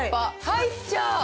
入っちゃう！